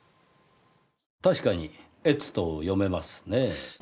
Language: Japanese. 確かに「えつ」と読めますね。